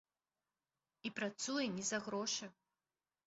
І працуе не за грошы.